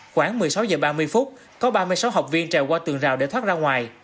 khoảng một mươi sáu h ba mươi phút có ba mươi sáu học viên trèo qua tường rào để thoát ra ngoài